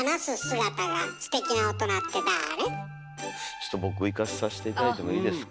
ちょっと僕いかさせて頂いてもいいですか？